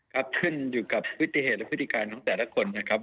ขึ้นอยู่กับพฤติเหตุและพฤติการของแต่ละคนนะครับ